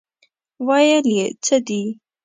ویل یې څه دي.